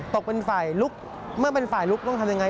ตกเป็นฝ่ายลุกเมื่อเป็นฝ่ายลุกต้องทำยังไง